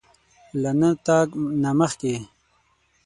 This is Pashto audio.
له نه تګ نه مخکې